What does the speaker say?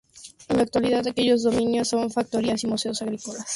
En la actualidad, aquellos dominios son factorías y museos agrícolas.